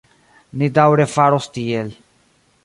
Ni daŭre faros tiel.